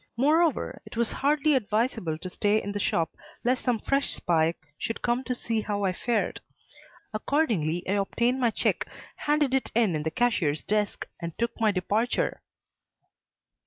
Moreover it was hardly advisable to stay in the shop lest some fresh spy should come to see how I fared. Accordingly I obtained my check, handed it in at the cashier's desk and took my departure.